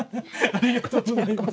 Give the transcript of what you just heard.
ありがとうございます。